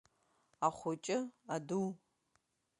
Ахәыҷы-аду!